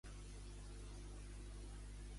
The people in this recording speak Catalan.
Quines qüestions creu Baldoví que s'han d'accentuar?